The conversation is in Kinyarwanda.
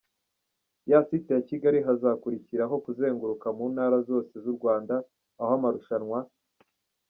ya site ya kigali hazakurikiraho kuzenguruka mu ntara zose zu Rwanda, aho amarushanwa.